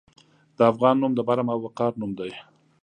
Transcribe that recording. د افغان نوم د برم او وقار نوم دی.